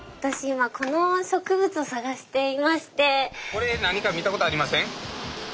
これ何か見たことありません？